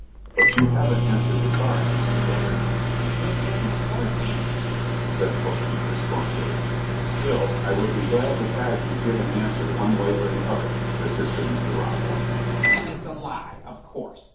But you haven't answered the charge, Mr. Gilbert." "It isn't worth answering," said the book keeper, scornfully. "Still, I would be glad to have you give an answer one way or the other," persisted Mr. Rockwell. "Then it's a lie, of course."